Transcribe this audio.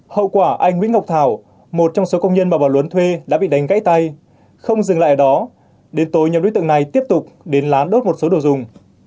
hậu quả anh nguyễn ngọc thảo một trong số công nhân mà bà lung thuê đã bị đánh gãy tay không dừng lại ở đó đến tối nhóm đối tượng này tiếp tục đến lán đốt một số đồ dùng